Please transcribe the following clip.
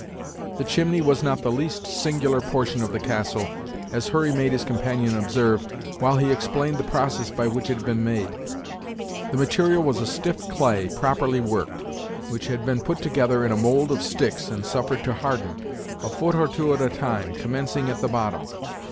The chimney was not the least singular portion of the castle, as Hurry made his companion observe, while he explained the process by which it had been made. The material was a stiff clay, properly worked, which had been put together in a mould of sticks, and suffered to harden, a foot or two at a time, commencing at the bottom.